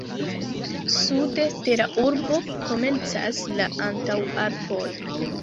Sude de la urbo komencas la Antaŭalpoj.